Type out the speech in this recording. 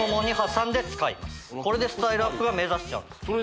これでスタイルアップが目指せちゃうそれで？